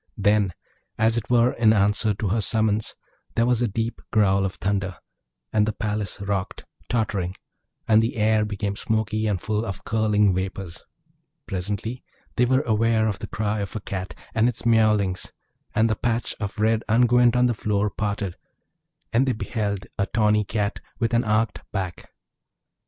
Then, as it were in answer to her summons, there was a deep growl of thunder, and the palace rocked, tottering; and the air became smoky and full of curling vapours. Presently they were aware of the cry of a Cat, and its miaulings; and the patch of red unguent on the floor parted and they beheld a tawny Cat with an arched back.